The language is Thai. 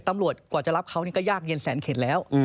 ตำรวจกว่าจะรับเขานี่ก็ยากเย็นแสนเข็ดแล้ว